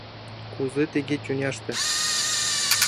Кузе тыге тӱняште